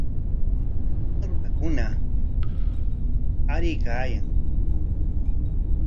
Llapan runakuna aruykaayan.